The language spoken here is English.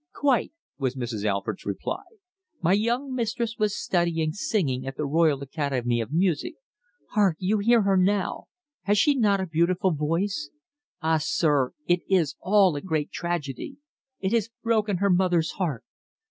"Quite," was Mrs. Alford's reply. "My young mistress was studying singing at the Royal Academy of Music. Hark! You hear her now! Has she not a beautiful voice? Ah, sir it is all a great tragedy! It has broken her mother's heart.